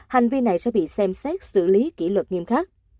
hành vi này sẽ bị xem xét xử lý kỷ luật nghiêm khắc